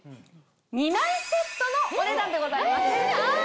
２枚セットのお値段でございます。